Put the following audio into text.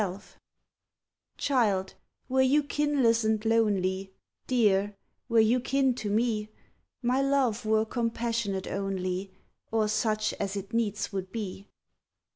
XII Child, were you kinless and lonely Dear, were you kin to me My love were compassionate only Or such as it needs would be.